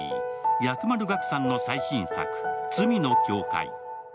薬丸岳さんの最新作「罪の境界」。